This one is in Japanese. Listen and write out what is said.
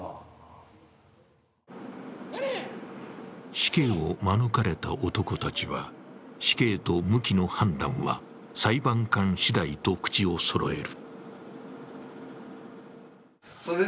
死刑を免れた男たちは死刑と無期の判断は裁判官しだいと口をそろえる。